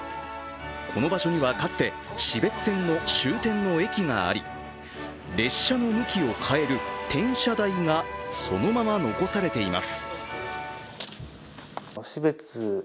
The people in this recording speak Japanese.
この場所には、かつて標津線の終点の駅があり列車の向きを変える転車台がそのまま残されています。